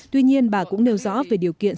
tuy nhiên bà cũng nêu rõ về điều kiện